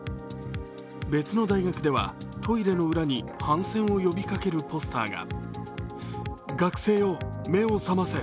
別の大学ではトイレの裏に反戦を呼びかけるポスターが。